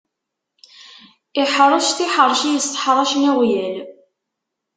Iḥṛec tiḥeṛci yisseḥṛacen iɣwyal.